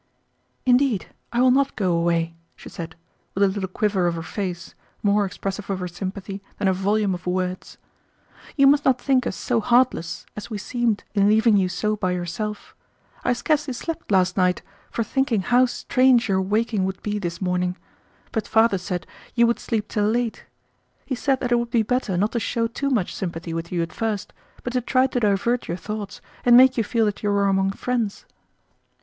"Indeed I will not go away," she said, with a little quiver of her face, more expressive of her sympathy than a volume of words. "You must not think us so heartless as we seemed in leaving you so by yourself. I scarcely slept last night, for thinking how strange your waking would be this morning; but father said you would sleep till late. He said that it would be better not to show too much sympathy with you at first, but to try to divert your thoughts and make you feel that you were among friends."